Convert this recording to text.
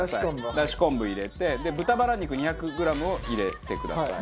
出汁昆布入れて豚バラ肉２００グラムを入れてください。